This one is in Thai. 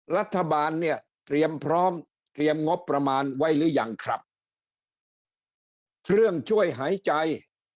รัฐบาลเนี่ยเตรียมพร้อมเตรียมงบประมาณไว้หรือยังครับเครื่องช่วยหายใจ